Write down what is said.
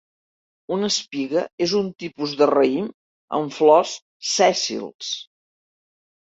Una espiga és un tipus de raïm amb flors sèssils.